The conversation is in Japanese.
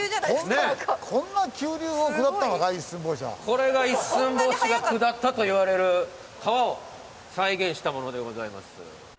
これが一寸法師が下ったといわれる川を再現したものでございます。